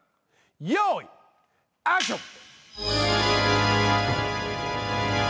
よいアクション！